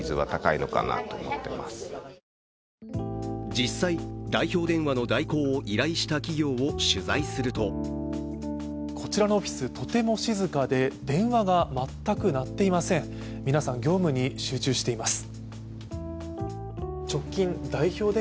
実際、代表電話の代行を依頼した企業を取材するとこちらのオフィス、とても静かで電話が全く鳴っていません皆さん、業務に集中しています。